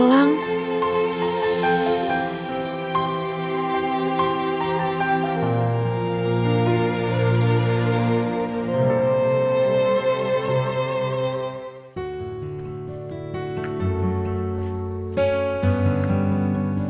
dan juga di surabaya